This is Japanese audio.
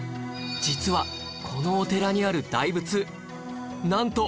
実はこのお寺にある大仏なんと